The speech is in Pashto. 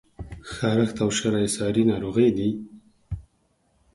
خارښت او شری څاری ناروغی دي؟